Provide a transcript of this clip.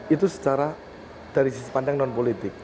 itu secara dari sisi pandang non politik